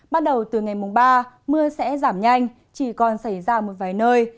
bắt đầu từ ngày mùng ba mưa sẽ giảm nhanh chỉ còn xảy ra một vài nơi